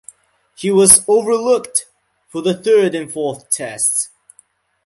He was overlooked for the third and fourth tests.